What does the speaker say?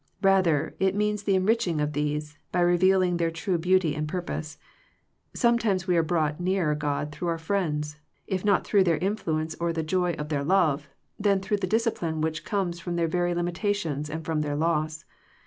Rather, it means the enriching of these, by revealing their true beauty and purpose. Sometimes we are brought nearer God through our friends, if not through their influence or the joy of their love, then through the discipline which comes from their very limitations and from their loss.